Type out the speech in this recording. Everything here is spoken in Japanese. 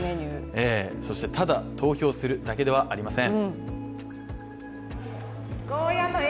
そしてただ投票するだけではありません。